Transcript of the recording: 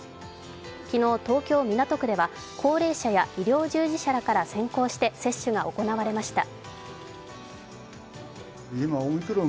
昨日、東京・港区では高齢者や医療従事者から先行して接種が行われました。